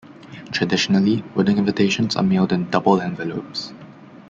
Traditionally, wedding invitations are mailed in double envelopes.